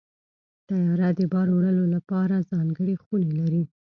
طیاره د بار وړلو لپاره ځانګړې خونې لري.